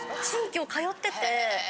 新京通ってて。